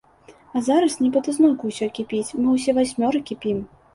А зараз нібыта зноўку ўсё кіпіць, мы ўсе васьмёра кіпім.